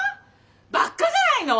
バカじゃないの？